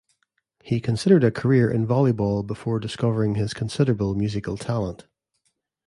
He considered a career in volleyball before discovering his considerable musical talent.